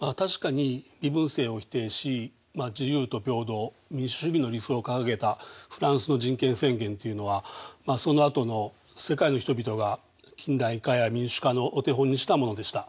確かに身分制を否定し自由と平等民主主義の理想を掲げたフランスの人権宣言っていうのはそのあとの世界の人々が近代化や民主化のお手本にしたものでした。